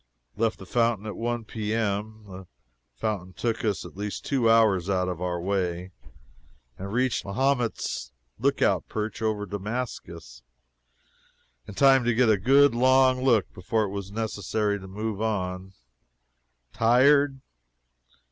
Left the fountain at 1 P.M. (the fountain took us at least two hours out of our way,) and reached Mahomet's lookout perch, over Damascus, in time to get a good long look before it was necessary to move on. Tired?